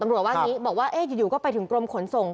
ว่าอย่างนี้บอกว่าอยู่ก็ไปถึงกรมขนส่ง